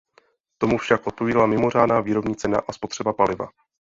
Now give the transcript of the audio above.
Tomu však odpovídala mimořádná výrobní cena a spotřeba paliva.